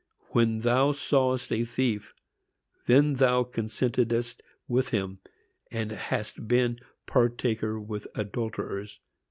When thou sawest a thief, then thou consentedst with him, and hast been partaker with adulterers."